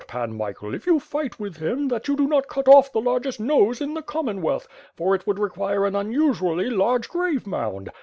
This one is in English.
Pan Michael, if you fight with him, that you do not cut off the largest nose in the Commonwealth, for it would require an unusually large grave mound?